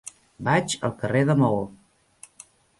Vaig al carrer de Maó.